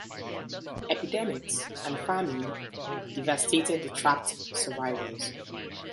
Epidemics and famine devastated the trapped survivors.